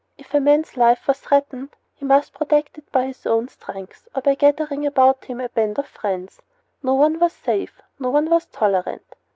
If a man's life was threatened he must protect it by his own strength or by gathering about him a band of friends. No one was safe. No one was tolerant.